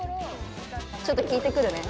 ちょっと聞いてくるね。